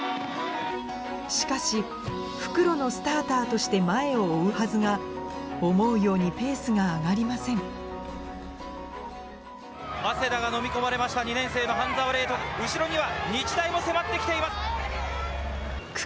しかし復路のスターターとして前を追うはずが思うようにペースが上がりません後ろには日大も迫って来ています。